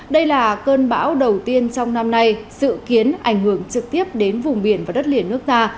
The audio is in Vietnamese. đây là cơn bão đầu tiên trong năm nay dự kiến ảnh hưởng trực tiếp đến vùng biển và đất liền nước ta